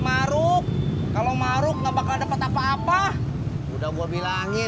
maksudnya paham saya